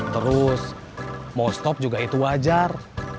terus mau stop juga itu wajar